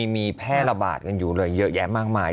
มีแพร่ระบาดกันอยู่เลยเยอะแยะมากมาย